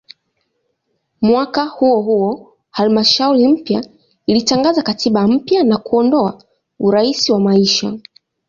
Mwaka huohuo halmashauri mpya ilitangaza katiba mpya na kuondoa "urais wa maisha".